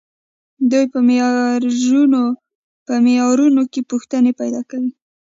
دوی په معیارونو کې پوښتنې پیدا کوي.